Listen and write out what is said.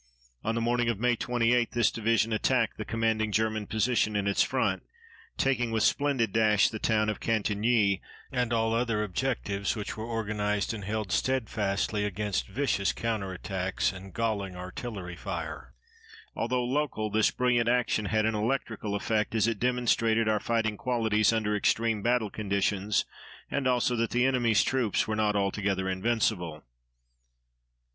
On the morning of May 28 this division attacked the commanding German position in its front, taking with splendid dash the town of Cantigny and all other objectives, which were organized and held steadfastly against vicious counter attacks and galling artillery fire. Although local, this brilliant action had an electrical effect, as it demonstrated our fighting qualities under extreme battle conditions, and also that the enemy's troops were not altogether invincible.